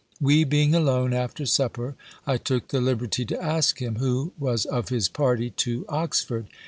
We being alone, after supper, I took the liberty to ask him, who was of his party to Oxford?